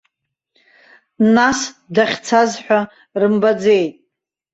Нас дахьцаз ҳәа рымбаӡеит!